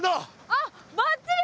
あっばっちり！